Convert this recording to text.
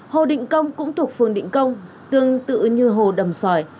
hồ định công cũng thuộc phường định công tương tự như hồ đầm sòi